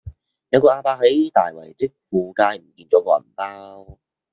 有個亞伯喺大圍積富街唔見左個銀包